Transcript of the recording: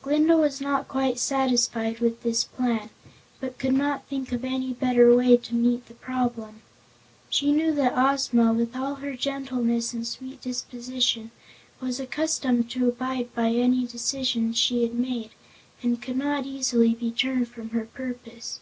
Glinda was not quite satisfied with this plan, but could not think of any better way to meet the problem. She knew that Ozma, with all her gentleness and sweet disposition, was accustomed to abide by any decision she had made and could not easily be turned from her purpose.